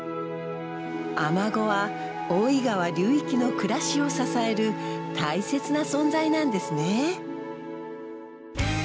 アマゴは大井川流域の暮らしを支える大切な存在なんですね。